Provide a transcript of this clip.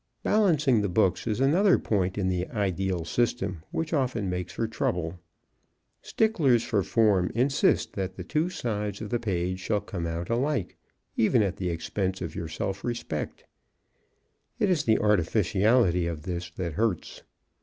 Balancing the books is another point in the ideal system which often makes for trouble. Sticklers for form insist that the two sides of the page shall come out alike, even at the expense of your self respect. It is the artificiality of this that hurts.